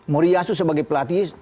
moriasu sebagai pelatih